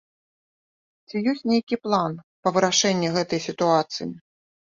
Ці ёсць нейкі план па вырашэнні гэтай сітуацыі?